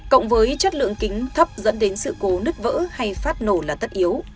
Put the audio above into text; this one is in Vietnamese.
cộng với chất lượng kính thấp dẫn đến sự cố nứt vỡ hay phát nổ là tất yếu